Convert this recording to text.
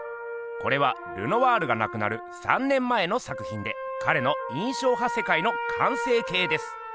これはルノワールがなくなる３年前の作ひんでかれの印象派世界の完成形です。